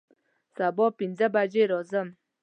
سبا پنځه بجې راځم